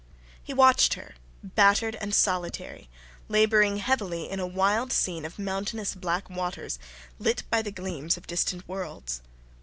He watched her, battered and solitary, labouring heavily in a wild scene of mountainous black waters lit by the gleams of distant worlds.